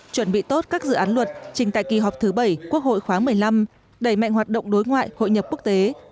chuẩn bị tốt các dự án luật trình tại kỳ họp thứ bảy quốc hội khoáng một mươi năm đẩy mạnh hoạt động đối ngoại hội nhập quốc tế